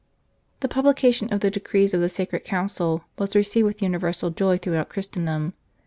The publication of the decrees of the Sacred Council was received with universal joy throughout Christendom.